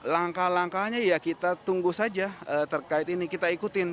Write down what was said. langkah langkahnya ya kita tunggu saja terkait ini kita ikutin